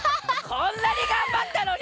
こんなに頑張ったのに！